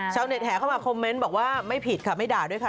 ชาวเน็ตแห่เข้ามาคอมเมนต์บอกว่าไม่ผิดค่ะไม่ด่าด้วยค่ะ